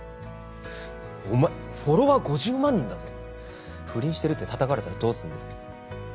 お前フォロワー５０万人だぞ不倫してるって叩かれたらどうすんだよ